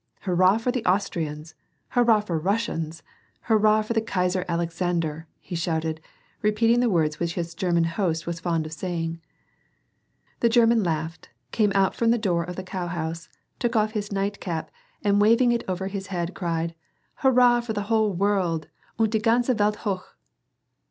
" Hurrah for the Austrians ! hurrali for the Rus sians! hurrah for the Kaiser Alexander!"! h© shouted, repeating the words which his German host was fond of say ing. The German laughed, came out from the door of the cowhouse, took off his nightcap, and waving it over his head^ cried :" Hurrah for the whole world — Und die ganze WeU hoch